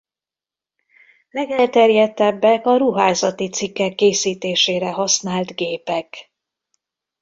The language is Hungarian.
Legelterjedtebbek a ruházati cikkek készítésére használt gépek.